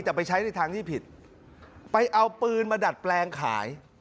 แต่ไปใช้ในทางที่ผิดไปเอาปืนมาดัดแปลงขาย